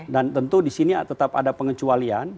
dan tentu di sini tetap ada pengecualian